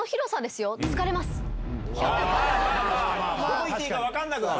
どこ行っていいか分かんなくなる。